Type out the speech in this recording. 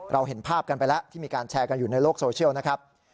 เห็นภาพกันไปแล้วที่มีการแชร์กันอยู่ในโลกโซเชียลนะครับ